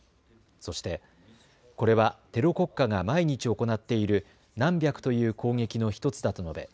そしてこれはテロ国家が毎日行っている何百という攻撃の１つだと述べ